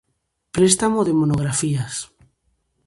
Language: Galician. Préstamo de monografías.